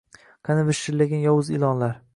Qani vishillagan yovuz ilonlar?